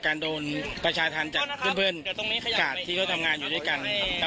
ก่อนที่จะทราบไหมคะว่าเป็นกลุ่มไหนยังไงแล้วว่าเป็น